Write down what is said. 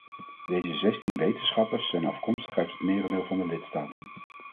Deze zestien wetenschappers zijn afkomstig uit het merendeel van de lidstaten.